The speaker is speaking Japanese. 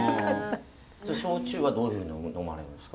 焼酎はどういうふうに飲まれるんですか？